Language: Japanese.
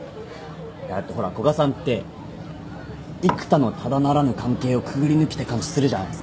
いやだってほら古賀さんって幾多のただならぬ関係をくぐり抜けた感じするじゃないですか。